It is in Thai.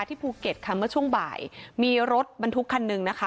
ภูเก็ตค่ะเมื่อช่วงบ่ายมีรถบรรทุกคันหนึ่งนะคะ